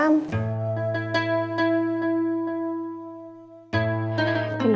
kenapa sih kak bunga